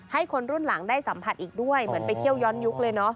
ให้คนรุ่นหลังได้สัมผัสอีกด้วยเหมือนไปเที่ยวย้อนยุคเลยเนอะ